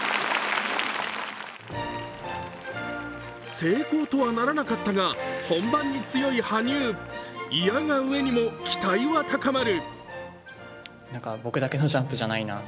成功とはならなかったが本番に強い羽生いやがうえにも期待は高まる。